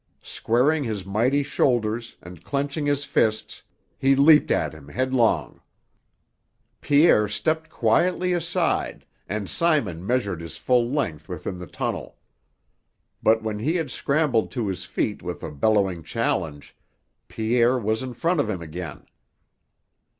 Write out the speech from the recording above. Squaring his mighty shoulders and clenching his fists, he leaped at him headlong. Pierre stepped quietly aside, and Simon measured his full length within the tunnel. But, when he had scrambled to his feet with a bellowing challenge, Pierre was in front of him again.